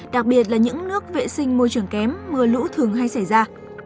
đặc biệt là những nước vệ sinh môi trường kém mưa lũ thường hay xảy ra